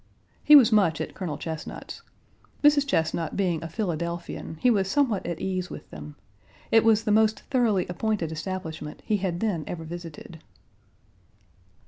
He was much at Colonel Chesnut's. Mrs. Chesnut being a Philadelphian, he was somewhat at ease with them. It was the most thoroughly appointed establishment he had then ever visited.